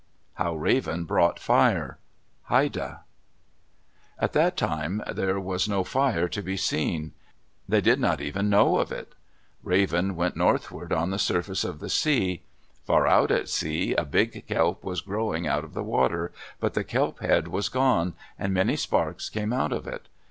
HOW RAVEN BROUGHT FIRE Haida At that time there was no fire to be seen. They did not even know of it. Raven went northward on the surface of the sea. Far out at sea a big kelp was growing out of the water, but the kelp head was gone, and many sparks came out of it.